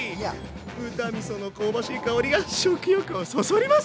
豚みその香ばしい香りが食欲をそそります！